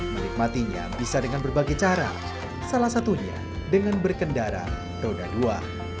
menikmatinya bisa dengan berbagai cara salah satunya dengan berkendara roda dua